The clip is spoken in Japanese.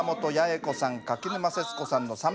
柿沼節子さんのさん